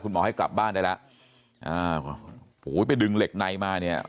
หมอให้กลับบ้านได้แล้วอ่าโหไปดึงเหล็กในมาเนี่ย